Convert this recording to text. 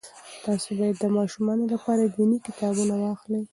تاسې باید د ماشومانو لپاره دیني کتابونه واخلئ.